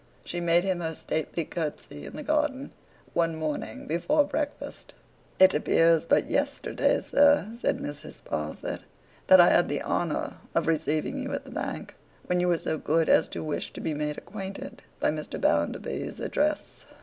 She made him her stately curtsey in the garden, one morning before breakfast. 'It appears but yesterday, sir,' said Mrs. Sparsit, 'that I had the honour of receiving you at the Bank, when you were so good as to wish to be made acquainted with Mr. Bounderby's address.